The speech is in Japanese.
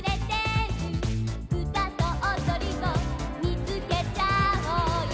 「うたとおどりを見つけちゃおうよ」